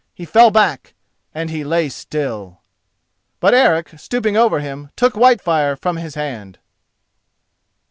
He fell back, and he lay still. But Eric, stooping over him, took Whitefire from his hand.